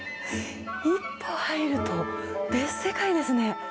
一歩入ると、別世界ですね。